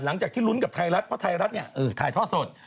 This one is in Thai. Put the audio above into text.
หลังจากที่ลุ้นกับไทยรัฐเพราะไทยรัฐถ่ายทอดสด